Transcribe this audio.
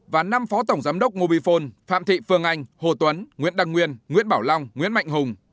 và năm phó tổng giám đốc mobifone phạm thị phương anh hồ tuấn nguyễn đăng nguyên nguyễn bảo long nguyễn mạnh hùng